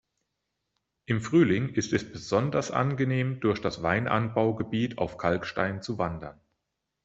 Im Frühling ist es besonders angenehm durch das Weinanbaugebiet auf Kalkstein zu wandern.